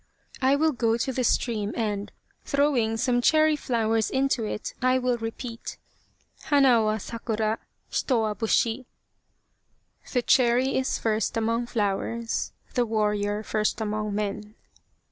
I will go to the stream and, throwing some cherry flowers into it, I will repeat : Hana wa sakura : Hito wa busbi. The cherry is first among flowers : The warrior first among men."